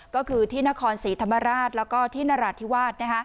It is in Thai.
ก็คือที่นครศรีธรรมราชแล้วก็ที่นราธิวาส